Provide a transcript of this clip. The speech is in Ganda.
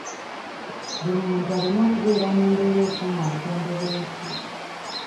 Buli muntu alina okubeera mu mbeera ekuuma obutonde bw'ensi.